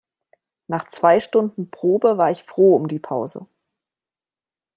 Nach zwei Stunden Probe, war ich froh um die Pause.